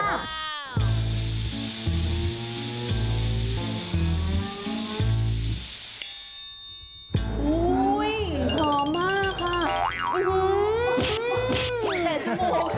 โอ้โหหอมมากค่ะ